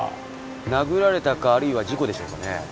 殴られたかあるいは事故でしょうかね？